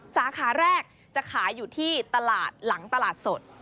สาขาแรกจะขายอยู่ที่ตลาดหลังตลาดสด